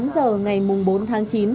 một mươi tám h ngày bốn tháng chín